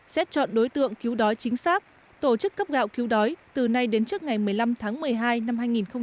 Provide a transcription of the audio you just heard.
xét chọn đối tượng cứu đói chính xác tổ chức cấp gạo cứu đói từ nay đến trước ngày một mươi năm tháng một mươi hai năm hai nghìn hai mươi